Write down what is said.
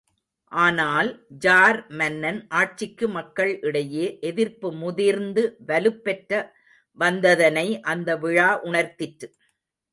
ஆனாால், tsar மன்னன் ஆட்சிக்கு மக்கள் இடையே எதிர்ப்பு முதிர்ந்து வலுப்பெற்ற வந்ததனை அந்த விழா உணர்த்திற்று.